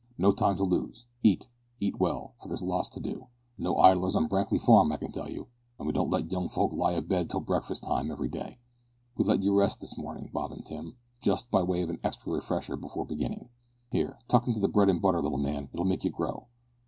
"No time to lose. Eat eat well for there's lots to do. No idlers on Brankly Farm, I can tell you. And we don't let young folk lie abed till breakfast time every day. We let you rest this morning, Bob and Tim, just by way of an extra refresher before beginning. Here, tuck into the bread and butter, little man, it'll make you grow.